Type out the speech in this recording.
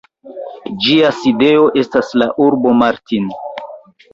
Ĝia sidejo estas la urbo Martin.